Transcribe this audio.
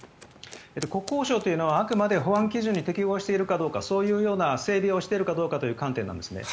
国交省というのはあくまで保安基準に適合しているかどうかそういうような整備をしているかどうかという観点なんですね。